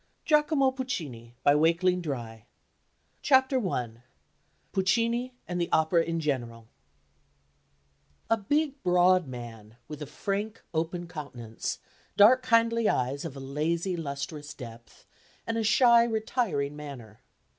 "MADAMA BUTTERFLY" 101 GIACOMO PUCCINI I PUCCINI, AND THE OPERA IN GENERAL A big broad man, with a frank open countenance, dark kindly eyes of a lazy lustrous depth, and a shy retiring manner.